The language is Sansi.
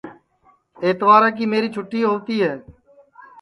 اتوارا کی میری چھوٹی ہؤتی ہے